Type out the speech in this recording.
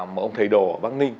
một ông thầy đồ ở văn ninh